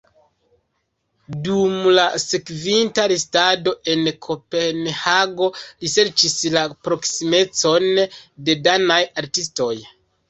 Dum la sekvinta restado en Kopenhago li serĉis la proksimecon de danaj artistoj.